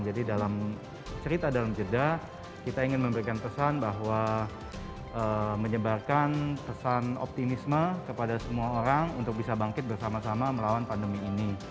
jadi dalam cerita damjada kita ingin memberikan pesan bahwa menyebarkan pesan optimisme kepada semua orang untuk bisa bangkit bersama sama melawan pandemi ini